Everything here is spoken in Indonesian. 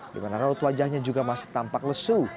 di mana raut wajahnya juga masih tampak lesu